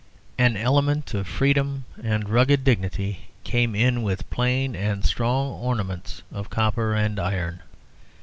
An element of freedom and rugged dignity came in with plain and strong ornaments of copper and iron.